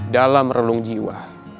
dalam relung jiwa